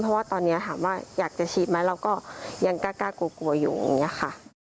เพราะว่าตอนนี้ถามว่าอยากจะฉีดไหมเราก็ยังกล้ากลัวอยู่อย่างนี้ค่ะ